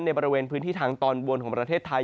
บริเวณพื้นที่ทางตอนบนของประเทศไทย